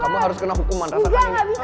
kamu harus kena hukuman rasakan ini